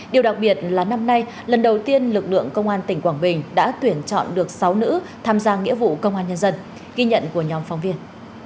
điều đặc biệt là năm nay lần đầu tiên lực lượng công an tỉnh quảng bình đã tuyển chọn được sáu nữ tham gia nghĩa vụ công an nhân dân ghi nhận của nhóm phóng viên